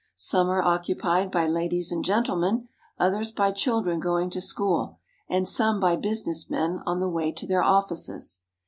Some are occupied by ladies and gentlemen, others by children going to school, and some by business men on the way to their offices.